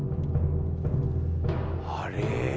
あれ？